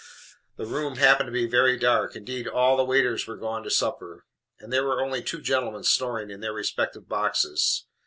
The room happened to be very dark. Indeed all the waiters were gone to supper, and there were only two gentlemen snoring in their respective boxes.